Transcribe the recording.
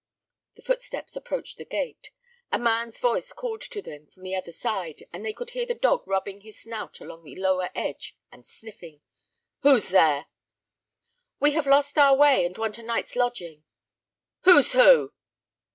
The footsteps approached the gate. A man's voice called to them from the other side, and they could hear the dog rubbing his snout along the lower edge and sniffing. "Who's there?" "We have lost our way, and want a night's lodging." "Who's who?"